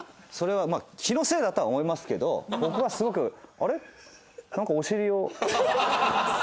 それは気のせいだとは思いますけど僕はすごく。